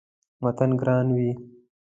وطن ګران وي